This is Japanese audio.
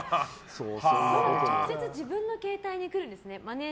直接自分の携帯に来るんですね。